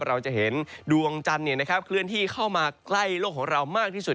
เราจะเห็นดวงจันทร์เคลื่อนที่เข้ามาใกล้โลกของเรามากที่สุด